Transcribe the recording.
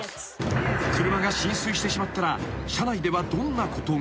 ［車が浸水してしまったら車内ではどんなことが？］